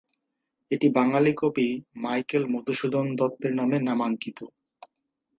এটি বাঙালি কবি মাইকেল মধুসূদন দত্তের নামে নামাঙ্কিত।